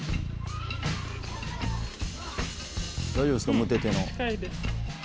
大丈夫ですかムテテの。